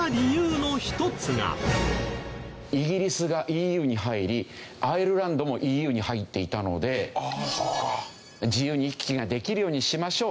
イギリスがＥＵに入りアイルランドもＥＵに入っていたので自由に行き来ができようにしましょう。